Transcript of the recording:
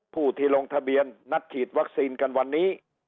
ผู้ที่ลงทะเบียนนัดฉีดวัคซีนกันวันนี้